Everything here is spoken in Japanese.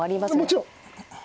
もちろん。